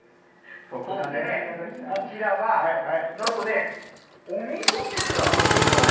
そしてね、こちらは、なんとね、おみそ汁なんですって、これ。